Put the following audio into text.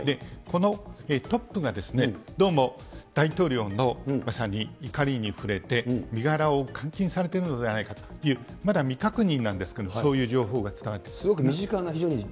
このトップがどうも大統領のまさに怒りに触れて、身柄を監禁されているのではないかという、まだ未確認なんですけれども、そういう情報が伝わっています。